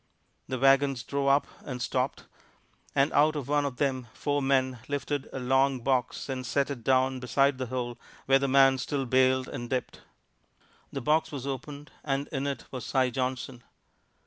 The wagons drove up and stopped. And out of one of them four men lifted a long box and set it down beside the hole where the man still bailed and dipped. The box was opened and in it was Si Johnson.